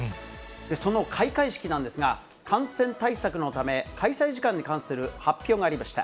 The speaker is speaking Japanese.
その開会式なんですが、感染対策のため開催時間に関する発表がありました。